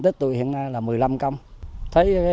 theo chủ đề hàng năm trọng tâm tổ chức